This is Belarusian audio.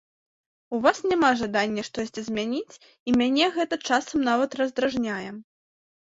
У вас няма жадання штосьці змяніць, і мяне гэта часам нават раздражняе.